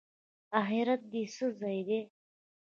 اخرت د څه ځای دی؟